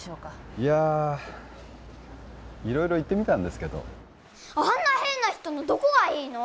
いやあ色々言ってみたんですけどあんな変な人のどこがいいの？